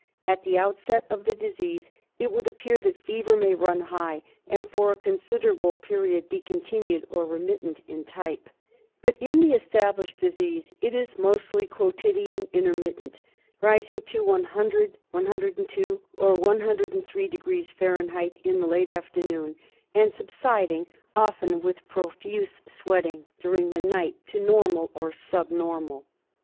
At the outset of the disease it would appear that fever may run high, and for a con siderable period be continued or remittent in type. But in the established disease it is mostly quotidian inter mittent, rising to ioi°, 102° or 103° Fahr. in the late afternoon, and subsiding, often with profuse sweating, during the night to normal or sub normal.